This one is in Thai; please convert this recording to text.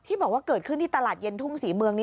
บอกว่าเกิดขึ้นที่ตลาดเย็นทุ่งศรีเมืองนี้